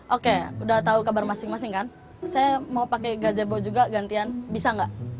oke udah tahu kabar masing masing kan saya mau pakai gajah bo juga gantian bisa nggak